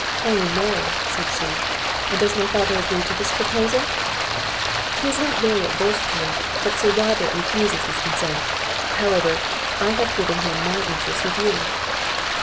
"Holy Mary!" said she; "and does my father agree to this proposal?" "He is not very averse to it; but Sir Robert refuses his consent. However, I have given him my interest with you."